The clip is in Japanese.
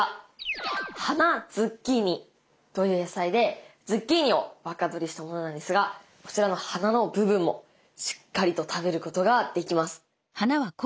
花ズッキーニという野菜でズッキーニを若どりしたものなんですがこちらの花の部分もしっかりと食べることができます。